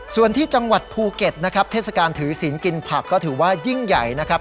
ส่วนที่จังหวัดภูเก็ตนะครับเทศกาลถือศีลกินผักก็ถือว่ายิ่งใหญ่นะครับ